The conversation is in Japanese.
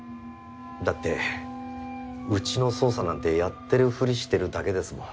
だってうちの捜査なんてやってるふりしてるだけですもん。